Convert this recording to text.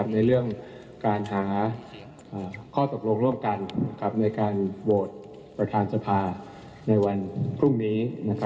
ในเรื่องการหาข้อตกลงร่วมกันในการโหวตประธานสภาในวันพรุ่งนี้